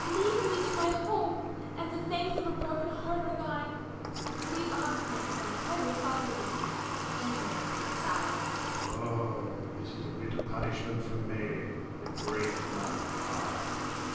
Lead me to my home, and the thanks of a broken heart are thine. Lead on, kind friend, I will follow thee. Adrian [aside]. Oh, this is a bitter punishment for me. It breaks my heart.